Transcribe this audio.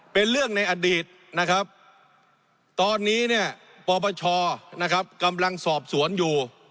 เป็นเรื่องในอดีตตอนนี้ปปชกำลังสอบสวนอยู่